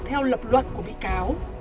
theo lập luật của bị cáo